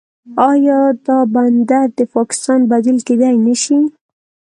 آیا دا بندر د پاکستان بدیل کیدی نشي؟